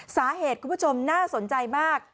คุณผู้ชมน่าสนใจมาก